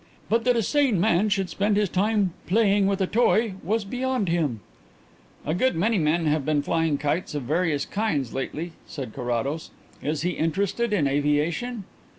But that a sane man should spend his time 'playing with a toy' was beyond him." "A good many men have been flying kites of various kinds lately," said Carrados. "Is he interested in aviation?"